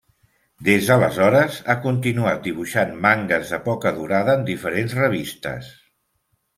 Des d'aleshores, ha continuat dibuixant mangues de poca durada en diferents revistes.